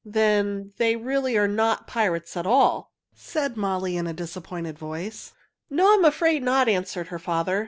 "Then they really are not pirates at all," said Molly in a disappointed voice. "No, I am afraid not," answered her father.